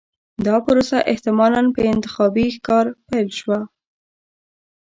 دا پروسه احتمالاً په انتخابي ښکار پیل شوه.